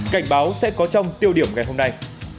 cảnh báo sẽ có trong tiêu điểm ngày hôm nay